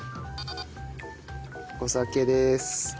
お酒です。